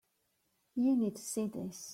You need to see this.